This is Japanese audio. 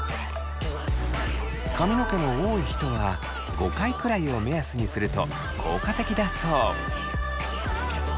髪の毛の多い人は５回くらいを目安にすると効果的だそう。